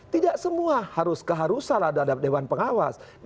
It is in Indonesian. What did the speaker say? tidak semua harus keharusan ada di dewan pengawas